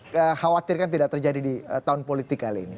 khawatirkan tidak terjadi di tahun politik kali ini